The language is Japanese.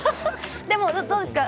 でも、どうですか？